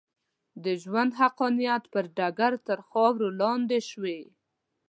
د ژوند حقانیت پر ډګر تر خاورو لاندې شوې.